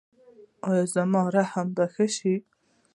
ایا زما رحم به ښه شي؟